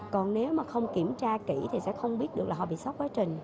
còn nếu mà không kiểm tra kỹ thì sẽ không biết được là họ bị sốc quá trình